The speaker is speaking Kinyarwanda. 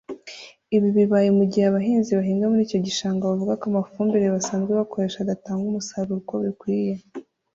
Ibi bibaye mu gihe abahinzi bahinga muri icyo gishanga bavuga ko amafumbire basanzwe bakoresha adatanga umusaruro uko bikwiye